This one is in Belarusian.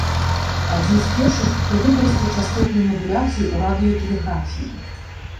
Адзін з першых, хто выкарыстаў частотную мадуляцыю ў радыётэлеграфіі.